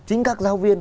chính các giáo viên